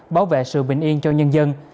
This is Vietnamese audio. bảo vệ sự bình yên cho nhân dân